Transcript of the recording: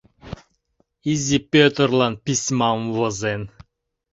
Изи Пӧтырлан письмам возен.